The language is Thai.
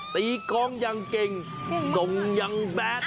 ตีกร้องยังเก่งทรงยังแบด